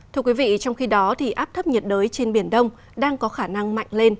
thưa quý vị trong khi đó áp thấp nhiệt đới trên biển đông đang có khả năng mạnh lên